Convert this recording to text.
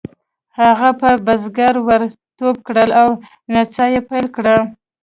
هغه په بزګر ور ټوپ کړل او نڅا یې پیل کړه.